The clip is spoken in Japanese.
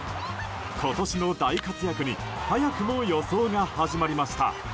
今年の大活躍に早くも予想が始まりました。